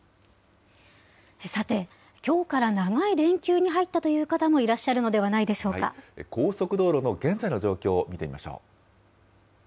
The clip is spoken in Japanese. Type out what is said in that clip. さて、きょうから長い連休に入ったという方もいらっしゃるのではないで高速道路の現在の状況を見てみましょう。